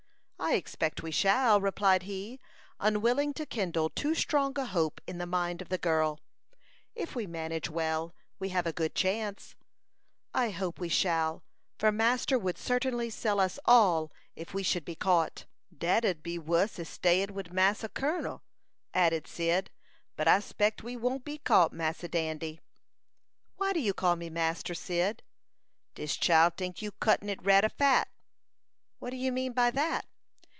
"I expect we shall," replied he, unwilling to kindle too strong a hope in the mind of the girl. "If we manage well, we have a good chance." "I hope we shall, for master would certainly sell us all if we should be caught." "Dat ud be wus as staying wid Massa Kun'l," added Cyd. "But I s'pect we won't be caught, Massa Dandy." "Why do you call me master, Cyd?" "Dis chile tink you cutting it rader fat." "What do you mean by that?"